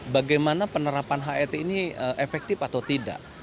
bagaimana penerapan het ini efektif atau tidak